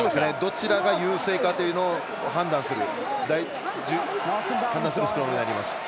どちらが優勢かというのを判断するスクラムになります。